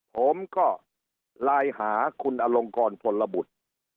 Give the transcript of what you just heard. ผมก็ไลน์หาคุณอลงกรพลบุตร